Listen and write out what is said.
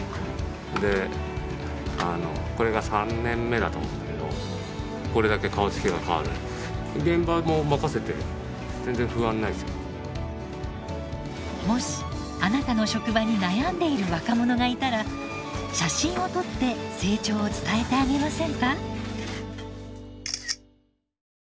であのこれが３年目だと思うんだけどもしあなたの職場に悩んでいる若者がいたら写真を撮って成長を伝えてあげませんか？